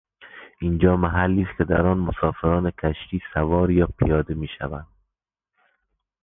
اینجا محلی است که در آن مسافران کشتی سوار یا پیاده میشوند.